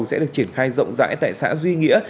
sẽ được triển khai rộng rãi tại xã duy nghĩa